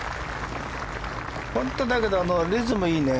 本当に、だけどリズムがいいね。